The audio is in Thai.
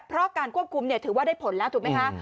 เพราะการควบคุมถือว่าได้ผลแล้วถูกไหมคะ